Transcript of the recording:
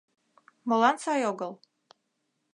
Молан сай огыл?